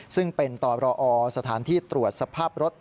ซึ่งเป็นตรอสถานที่ตรวจสภาพรถ